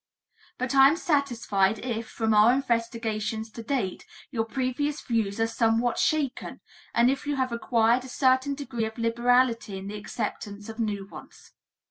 But I am satisfied if, from our investigations to date, your previous views are somewhat shaken and if you have acquired a certain degree of liberality in the acceptance of new ones.